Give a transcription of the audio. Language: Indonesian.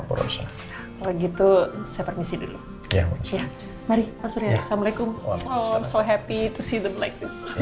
berusaha begitu saya permisi dulu ya ya mari asyik assalamualaikum so happy to see the black